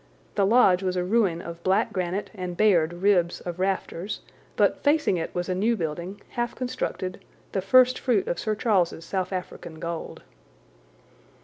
The lodge was a ruin of black granite and bared ribs of rafters, but facing it was a new building, half constructed, the first fruit of Sir Charles's South African gold.